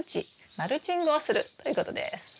マルチングをするということです。